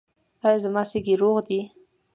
ایا زما سږي روغ دي؟